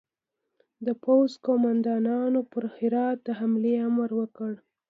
د پوځ قوماندانانو پر هرات د حملې امر ورکړ.